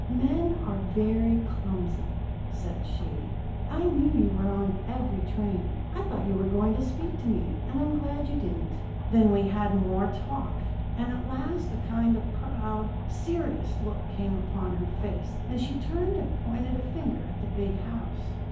"'Men are very clumsy,' said she. 'I knew you were on every train. I thought you were going to speak to me, and I'm glad you didn't.' "Then we had more talk; and at last a kind of proud, serious look came on her face, and she turned and pointed a finger at the big house.